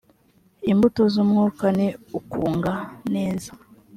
imbuto z umwuka ni ukugwa neza